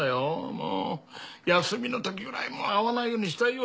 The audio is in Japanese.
もう休みのときくらいもう会わないようにしたいよ